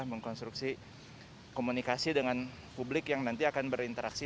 mengkonstruksi komunikasi dengan publik yang nanti akan berinteraksi